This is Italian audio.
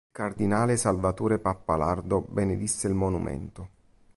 Il cardinale Salvatore Pappalardo benedisse il monumento.